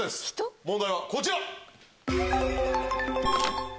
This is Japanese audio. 問題はこちら！